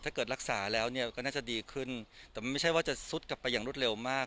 ถ้าเกิดรักษาแล้วเนี่ยก็น่าจะดีขึ้นแต่ไม่ใช่ว่าจะซุดกลับไปอย่างรวดเร็วมาก